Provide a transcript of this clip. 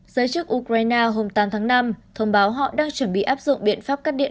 giới chức ukraine hôm tám tháng năm thông báo họ đang chuẩn bị áp dụng biện pháp cắt điện